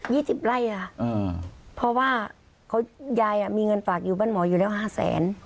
สิบไร่ค่ะอ่าเพราะว่าเขายายอ่ะมีเงินฝากอยู่บ้านหมออยู่แล้วห้าแสน